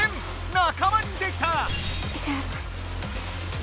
仲間にできた！